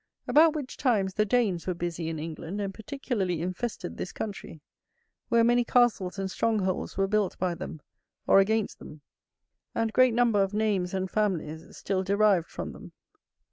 About which times the Danes were busy in England, and particularly infested this country; where many castles and strongholds were built by them, or against them, and great number of names and families still derived from them.